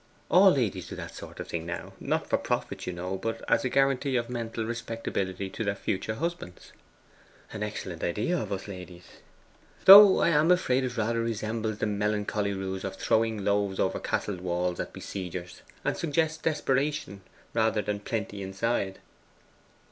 All ladies do that sort of thing now; not for profit, you know, but as a guarantee of mental respectability to their future husbands.' 'An excellent idea of us ladies.' 'Though I am afraid it rather resembles the melancholy ruse of throwing loaves over castle walls at besiegers, and suggests desperation rather than plenty inside.